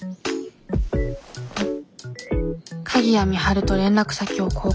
鍵谷美晴と連絡先を交換する。